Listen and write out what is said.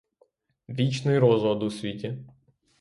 Вічний розлад у світі!